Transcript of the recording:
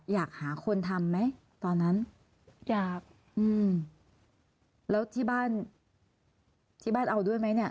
อยากหาคนทำไหมตอนนั้นอยากอืมแล้วที่บ้านที่บ้านเอาด้วยไหมเนี่ย